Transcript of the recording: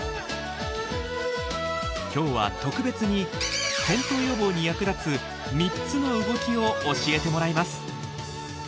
今日は特別に転倒予防に役立つ３つの動きを教えてもらいます。